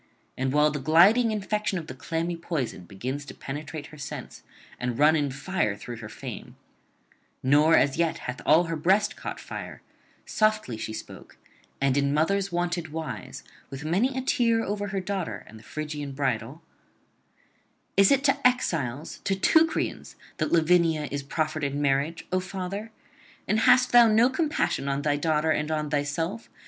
And while the gliding infection of the clammy poison begins to penetrate her sense and run in fire through her frame, nor as yet hath all her breast caught fire, softly she spoke and in mothers' wonted wise, with many a tear over her daughter and the Phrygian bridal: 'Is it to exiles, to Teucrians, that Lavinia is proffered in marriage, O father? and hast thou no compassion on [361 392]thy daughter and on thyself?